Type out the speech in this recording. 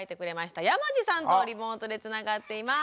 山地さんとリモートでつながっています。